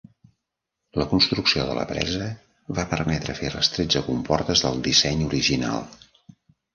La construcció de la presa va permetre fer les tretze comportes del disseny original.